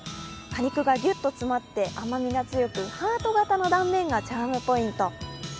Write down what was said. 果肉がギュッと詰まって甘みが強く、ハート形の断面がチャームポイント。